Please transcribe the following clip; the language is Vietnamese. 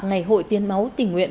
ngày hội tiên máu tỉnh nguyện